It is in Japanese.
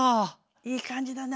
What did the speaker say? いい感じだな。